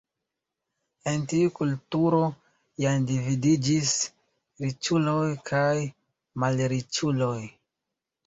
En tiu kulturo jam dividiĝis riĉuloj kaj malriĉuloj.